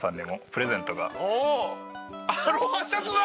アロハシャツだ！